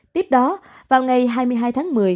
tiếp đó vào ngày hai mươi hai tháng một mươi